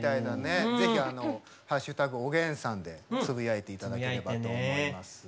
ぜひ「＃おげんさん」でつぶやいていただければと思います。